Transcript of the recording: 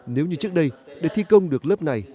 nếu như trước đây để thi công được lớp này